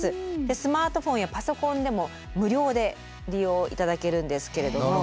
スマートフォンやパソコンでも無料で利用いただけるんですけれども。